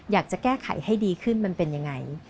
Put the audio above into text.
อยากจะแก้ไขให้ดีขึ้นมันเป็นยังไง